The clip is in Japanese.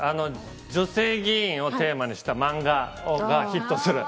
女性議員をテーマにした漫画がヒットする。